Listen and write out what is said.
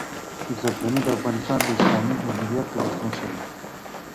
اشرف غني د افغانستان د اسلامي جمهوريت اولسمشر دئ.